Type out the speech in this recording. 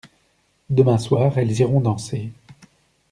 Demain soir elles iront danser.